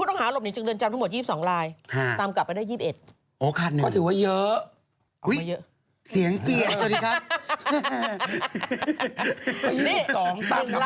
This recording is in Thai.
ลายรอบมีประมาณเหมือนกับไม่ค่อยพออะ